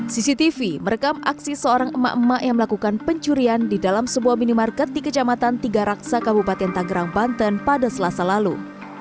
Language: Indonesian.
cctv merekam aksi seorang emak emak yang melakukan pencurian di dalam sebuah minimarket di kecamatan tiga raksa kabupaten tanggerang banten pada selasa lalu